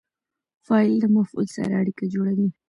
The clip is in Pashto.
فاعل د مفعول سره اړیکه جوړوي.